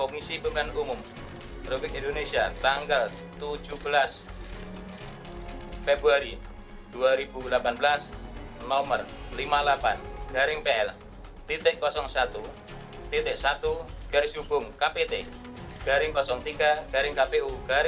tiga membatalkan keputusan komisi pemilu umum republik indonesia tanggal tujuh belas februari dua ribu sembilan belas